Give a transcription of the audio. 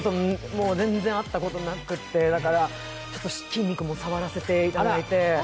もう全然会ったことなくて、だから筋肉も触らせていただいて。